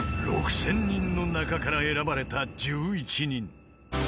［６，０００人の中から選ばれた１１人］